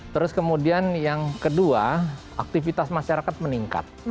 terus kemudian yang kedua aktivitas masyarakat meningkat